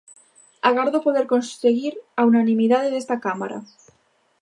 Agardo poder conseguir a unanimidade desta cámara.